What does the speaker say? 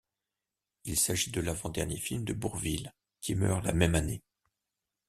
Il s'agit de l'avant-dernier film de Bourvil, qui meurt la même année.